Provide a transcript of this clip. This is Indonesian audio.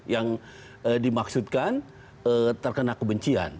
yang dimaksudkan terkena kebencian